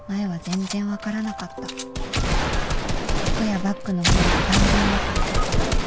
服やバッグの方が断然よかった